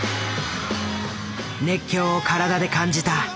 熱狂を体で感じた。